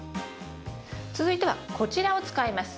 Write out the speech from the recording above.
続いてはこちらを使います。